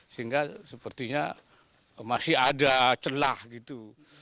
sehingga sepertinya masih ada celah gitu